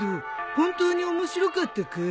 本当に面白かったかい？